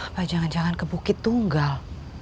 nah jangan jangan ke bukit tunggal